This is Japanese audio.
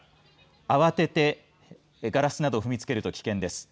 慌ててガラスなどを踏みつけると危険です。